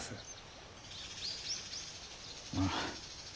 ああ。